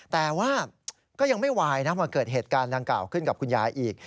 แต่ว่าก็ยังไม่วายนะมาเกิดเหตุการณ์ดังกล่าวขึ้นกับคุณยายอีก